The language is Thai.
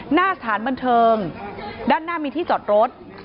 หน้าสถานบันเทิงด้านหน้ามีที่จอดรถ